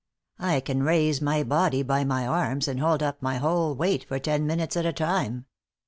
I can raise my body by my arms and hold up my whole weight for ten minutes at a time.